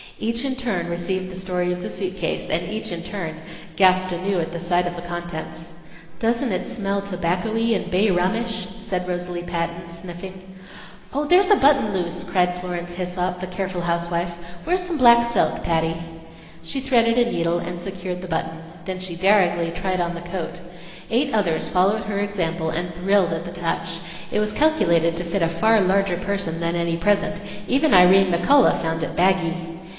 Each in turn received the story of the suit case, and each in turn gasped anew at sight of the contents. "Doesn't it smell tobaccoey and bay rummish?" said Rosalie Patton, sniffing. "Oh, there's a button loose!" cried Florence Hissop, the careful housewife. "Where's some black silk, Patty?" She threaded a needle and secured the button. Then she daringly tried on the coat. Eight others followed her example and thrilled at the touch. It was calculated to fit a far larger person than any present. Even Irene McCullough found it baggy.